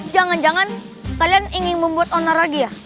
jangan jangan kalian ingin membuat onar lagi ya